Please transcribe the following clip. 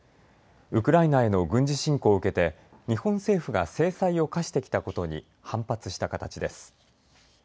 ウクライナへの軍事侵攻を受けて日本政府が制裁を科してきたことに反発した形です。